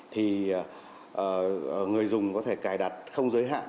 thì người dùng có thể cài đặt không giới hạn